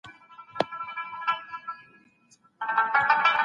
د کاسا پروژې په پلي کولو کي ازبکستان څه مرسته کوي؟